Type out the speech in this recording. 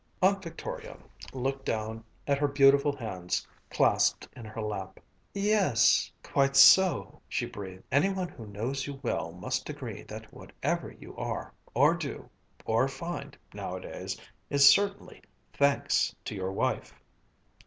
Aunt Victoria looked down at her beautiful hands clasped in her lap. "Yes, quite so," she breathed. "Any one who knows you well must agree that whatever you are, or do, or find, nowadays, is certainly 'thanks to your wife.'"